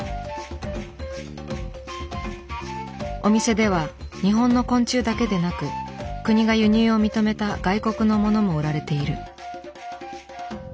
お店では日本の昆虫だけでなく国が輸入を認めた外国のものも売られている。